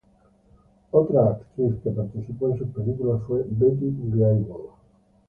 Otra actriz que participó en sus películas fue Betty Grable.